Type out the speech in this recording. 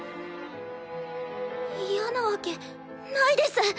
嫌なわけないです！